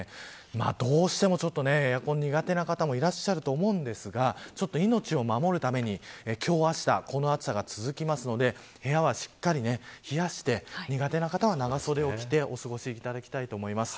どうしても、エアコンが苦手な方もいらっしゃると思うんですが命を守るために今日、あしたこの暑さが続きますので部屋はしっかり冷やして苦手な方は長袖を着てお過ごしいただきたいと思います。